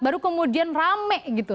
baru kemudian rame gitu